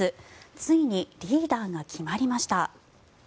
ついにリーダーが決まりました。